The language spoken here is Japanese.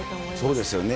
そうですよね。